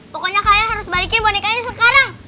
pokoknya kalian harus balikin bonekanya sekarang